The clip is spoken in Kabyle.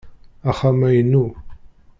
Axxam-a inu.